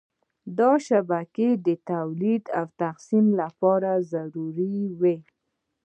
دا شبکه د تولید او تقسیم لپاره ضروري وه.